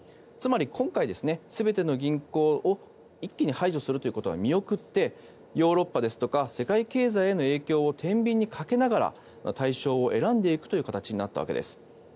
つまり今回、全ての銀行を一気に排除することは見送ってヨーロッパですとか世界経済への影響をてんびんにかけながら対象を選んでいくという形になったわけです。